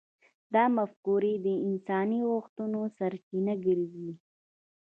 دا مفکورې د انساني غوښتنو سرچینه ګرځي.